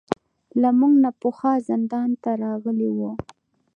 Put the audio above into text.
له موږ نه پخوا زندان ته راغلي وو.